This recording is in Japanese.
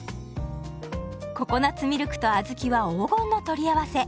ココナツミルクと小豆は黄金の取り合わせ。